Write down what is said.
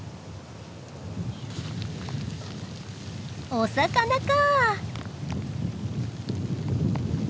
お魚か。